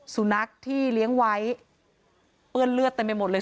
สุนัขที่เลี้ยงไว้เปื้อนเลือดเต็มไปหมดเลย